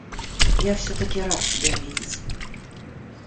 Я всё-таки рад тебя видеть.